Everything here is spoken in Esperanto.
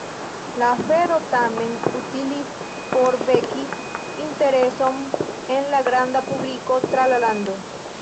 La afero tamen utilis por veki intereson en la granda publiko tra la lando.